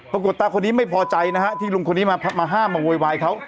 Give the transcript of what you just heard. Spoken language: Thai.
ตาคนนี้ไม่พอใจนะฮะที่ลุงคนนี้มาห้ามมาโวยวายเขา